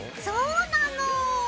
そうなの！